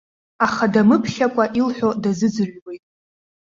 Аха дамыԥхьакәа илҳәо дазыӡырҩуеит.